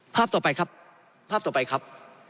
ภาพต่อไปครับภาพต่อไปครับ